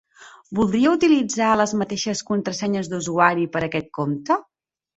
Voldria utilitzar les mateixes contrasenyes d'usuari per aquest compte?